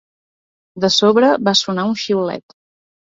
De sobre va sonar un xiulet.